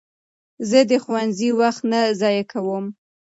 زه د ښوونځي وخت نه ضایع کوم.